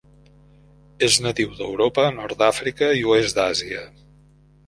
És nadiu d'Europa, nord d'Àfrica i oest d'Àsia.